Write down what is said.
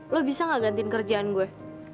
lo bisa gak gantiin kerjaan gue